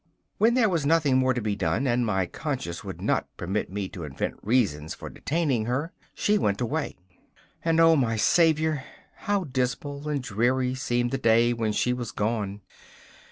When there was nothing more to be done, and my conscience would not permit me to invent reasons for detaining her, she went away, and O my Saviour! how dismal and dreary seemed the day when she was gone.